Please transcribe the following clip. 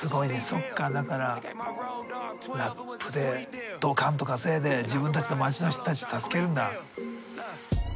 そっかだからラップでどかんと稼いで自分たちの街の人たち助けるんだ。